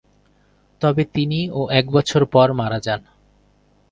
তবে তিনি ও এক বছর পর মারা যান।